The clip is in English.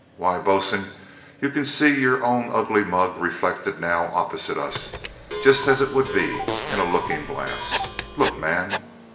Why, bo'sun, you can see your own ugly mug reflected now opposite us, just as it would be in a looking glass. Look, man!"